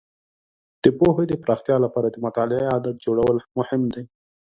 د پوهې د پراختیا لپاره د مطالعې عادت جوړول مهم دي.